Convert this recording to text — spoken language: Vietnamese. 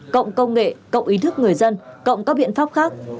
cộng công nghệ cộng ý thức người dân cộng các biện pháp khác